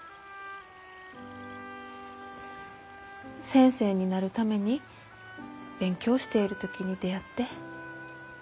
先生になるために勉強している時に出会って。